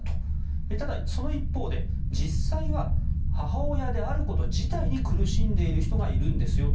ただ、その一方で、実際は母親であること自体に苦しんでいる人がいるんですよと。